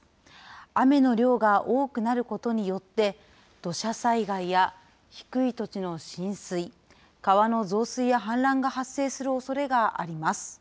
雨の量が多くなることによって、土砂災害や低い土地の浸水、川の増水や氾濫が発生するおそれがあります。